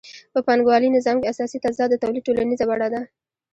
په پانګوالي نظام کې اساسي تضاد د تولید ټولنیزه بڼه ده